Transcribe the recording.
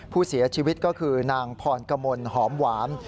ผู้เสียชีวิตก็คือนางพรกมลหอมหวาน